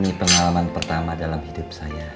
ini pengalaman pertama dalam hidup saya